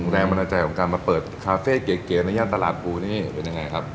แรงบันดาลใจของการมาเปิดคาเฟ่เก๋ในย่านตลาดปูนี่เป็นยังไงครับ